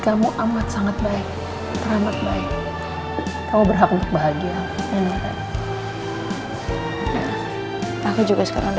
tapi aku masih belum tahu hukuman apa yang pantas untuk dia